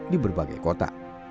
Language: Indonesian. di berbagai kota